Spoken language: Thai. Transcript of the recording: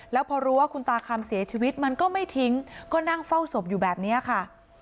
แล้วพอรู้ว่าคุณตาคำเสียชีวิตมันก็ไม่ทิ้งก็นั่งเฝ้าศพอยู่แบบนี้ค่ะ